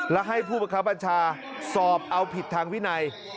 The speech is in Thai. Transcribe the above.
และให้ผู้ประคับบัญชาสอบเอาผิดทางวินัย